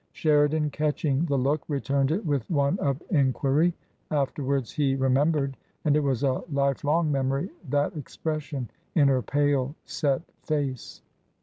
Sheridan, catching the look, returned it with one of enquiry. Afterwards he remembered — and it was a life long memory — ^that ex pression in her pale, set face.